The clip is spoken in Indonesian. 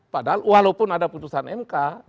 padahal walaupun ada putusan mk